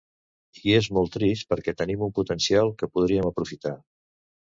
I és molt trist perquè tenim un potencial que podríem aprofitar.